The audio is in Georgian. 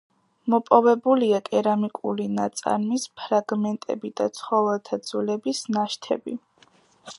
მოპოვებულია კერამიკული ნაწარმის ფრაგმენტები და ცხოველთა ძვლების ნაშთები.